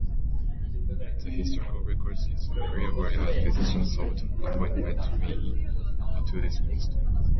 The historical record is unclear why a physician sought appointment to this post.